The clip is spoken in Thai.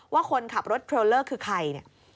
ว่าคนขับรถเทอร์โลเลอร์คือใคร